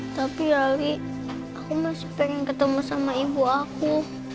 tapi ali aku masih pengen ketemu sama ibu aku